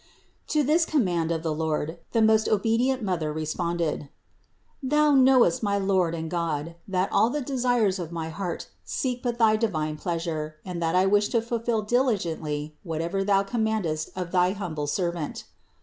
192. To this command of the Lord the most obedient Mother responded : "Thou knowest, my Lord and God, that all the desires of my heart seek but thy divine pleas ure and that I wish to fulfill diligently whatever Thou commandest to thy humble servant.